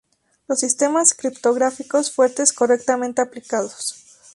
Los sistemas criptográficos fuertes correctamente aplicados